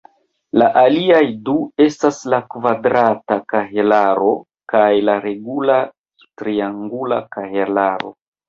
La aliaj du estas la kvadrata kahelaro kaj la regula triangula kahelaro.